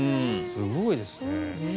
すごいですね。